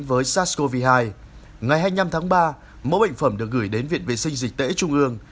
với sars cov hai ngày hai mươi năm tháng ba mẫu bệnh phẩm được gửi đến viện vệ sinh dịch tễ trung ương